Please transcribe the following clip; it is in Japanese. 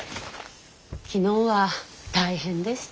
昨日は大変でした。